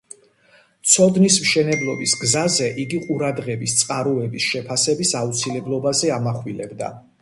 ცოდნის მშენებლობის გზაზე, იგი ყურადღების წყაროების შეფასების აუცილებლობაზე ამახვილებდა.